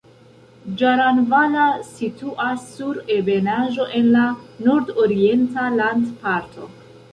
Ĝaranvala situas sur ebenaĵo en la nordorienta landparto.